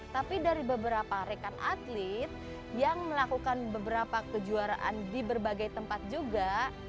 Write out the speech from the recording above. tapi dari beberapa rekan atlet yang melakukan beberapa kejuaraan di berbagai tempat juga